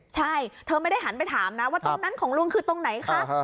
ใช่เธอไม่ได้หันไปถามนะว่าตรงนั้นของลุงคือตรงไหนคะ